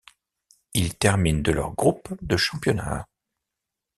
Ils terminent de leur groupe de championnat.